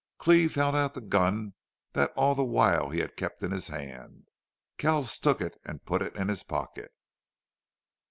Cleve held out the gun that all the while he had kept in his hand. Kells took it and put it in his pocket.